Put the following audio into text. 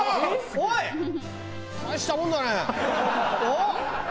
おっ！